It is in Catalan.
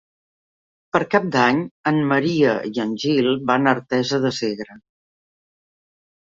Per Cap d'Any en Maria i en Gil van a Artesa de Segre.